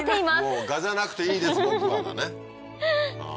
「もうガじゃなくていいです僕は」だね。